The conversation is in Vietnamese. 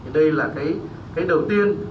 đây là cái đầu tiên